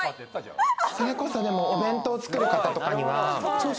それこそお弁当を作る方とかには。